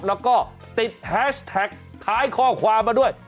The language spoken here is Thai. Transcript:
แล้วก็ติดแฮชแท็กท้ายข้อความมาด้วย